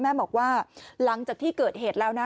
แม่บอกว่าหลังจากที่เกิดเหตุแล้วนะ